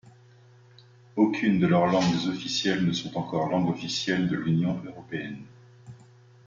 Aucune de leurs langues officielles ne sont encore langue officielle de l'Union européenne.